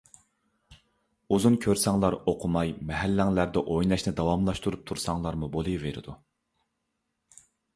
ئۇزۇن كۆرسەڭلار ئوقۇماي مەھەللەڭلەردە ئويناشنى داۋاملاشتۇرۇپ تۇرساڭلارمۇ بولۇۋېرىدۇ.